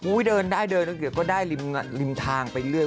อู๊ยเดินได้เดินเดินลับเกิดก็ได้ริมทางไปเรื่อย